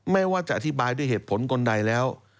ไม่ว่าจะอธิบายด้วยเหตุผลคนใดแล้ว